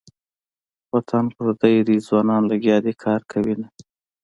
وطن پردی ده ځوانان لګیا دې کار کوینه.